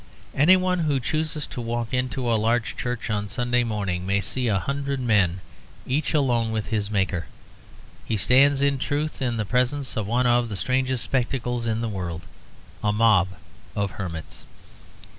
Anyone who chooses to walk into a large church on Sunday morning may see a hundred men each alone with his Maker. He stands, in truth, in the presence of one of the strangest spectacles in the world a mob of hermits.